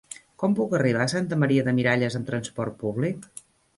Com puc arribar a Santa Maria de Miralles amb trasport públic?